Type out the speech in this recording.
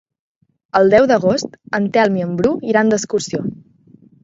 El deu d'agost en Telm i en Bru iran d'excursió.